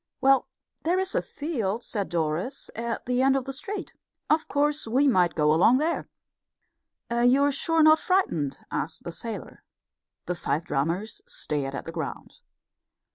"Well, there's a field," said Doris, "at the end of the street. Of course, we might go along there." "You're sure you're not frightened?" asked the sailor. The five drummers still stared at the ground.